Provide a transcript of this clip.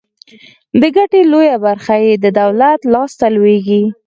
د ګټې لویه برخه یې د دولت لاس ته لویږي.